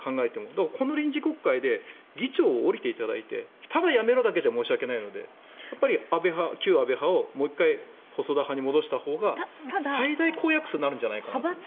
だから、この臨時国会で議長を降りていただいてただ辞めろだけじゃ申し訳ないので旧安倍派をもう１回、細田派に戻したほうが最大公約数になるんじゃないかと。